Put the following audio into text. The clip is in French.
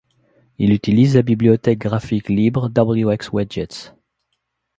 Il utilise la bibliothèque graphique libre wxWidgets.